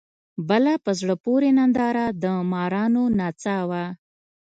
بله په زړه پورې ننداره د مارانو نڅا وه.